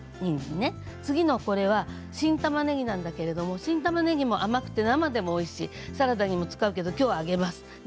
次は新たまねぎなんだけど新たまねぎは甘くて生でもおいしい、サラダにも使うけれども、きょうは揚げます。